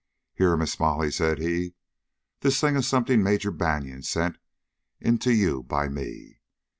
"Here, Miss Molly," said he, "this thing is somethin' Major Banion sont in ter ye by me.